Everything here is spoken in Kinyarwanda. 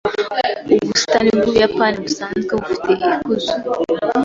Ubusitani bw'Ubuyapani busanzwe bufite icyuzi.